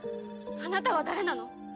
あなたは誰なの？